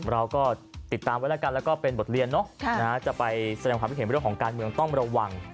เราก็ติดตามไว้แล้วกันแล้วก็เป็นบทเรียนเนอะจะไปแสดงความคิดเห็นเรื่องของการเมืองต้องระวัง